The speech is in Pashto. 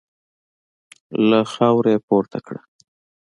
له خاورو يې پورته کړه.